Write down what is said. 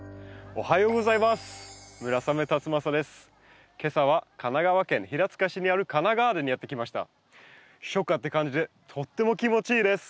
おはようございます。